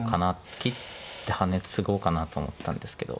切ってハネツゴうかなと思ったんですけど。